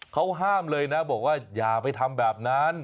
เขาห้ามเลยนะบอกว่าอย่าไปทำแบบนั้น